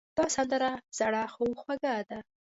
دا سندره زړې خو خوږه ده.